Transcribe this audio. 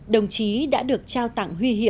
đồng chí đã được trao tặng huy hiệu